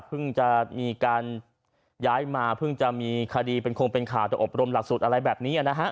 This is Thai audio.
พึ่งจะมีการย้ายมาพึ่งจะมีคดีเป็นโครงเป็นข่าวตัวอบรมหลักศูนย์อะไรแบบนี้